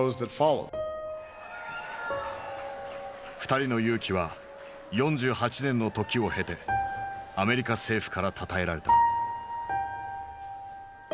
２人の勇気は４８年の時を経てアメリカ政府からたたえられた。